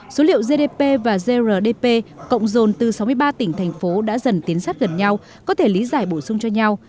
số liệu gdp và grdp cộng dồn từ sáu mươi ba tỉnh thành phố đã dần tiến sát gần nhau có thể lý giải bổ sung cho nhau